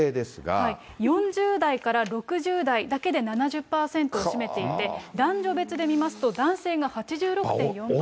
４０代から６０代だけで７０％を占めていて、男女別で見ますと、男性が８６．４％。